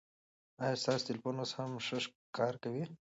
ایا ستاسو ټلېفون اوس هم ښه کار کوي؟